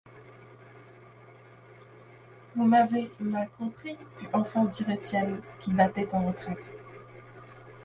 Vous m’avez mal compris, put enfin dire Étienne, qui battait en retraite.